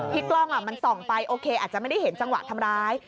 กล้องมันส่องไปโอเคอาจจะไม่ได้เห็นจังหวะทำร้าย